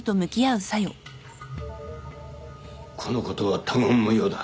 このことは他言無用だ